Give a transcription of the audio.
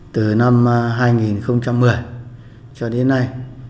từ năm hai nghìn một mươi cho đến nay